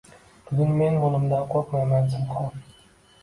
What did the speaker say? Bugun men o‘limdan qo‘rqmayman zinhor